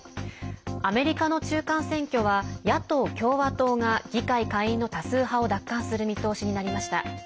アメリカの中間選挙は野党・共和党が議会下院の多数派を奪還する見通しになりました。